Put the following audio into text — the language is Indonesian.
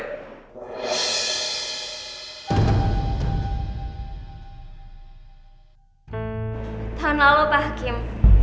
tahun lalu pak hakim